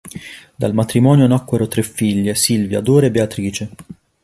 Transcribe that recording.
Dal matrimonio nacquero tre figlie, Silvia, Dora e Beatrice.